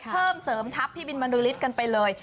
เพิ่มเสริมทัพพี่บินบรรลือฤทธิ์กันไปเลย